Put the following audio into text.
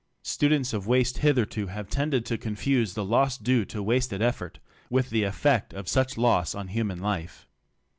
Stud ents of waste hitherto have tended to confuse the loss due to wasted effort with the effect of such loss on human life.